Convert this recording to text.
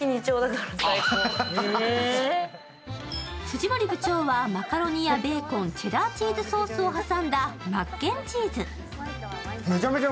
藤森部長は、マカロニやベーコンチェダーチーズソースを挟んだマッケンチーズ。